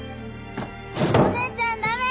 お姉ちゃんダメ！